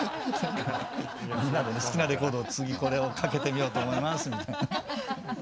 みんなで好きなレコード次これをかけてみようと思いますみたいな。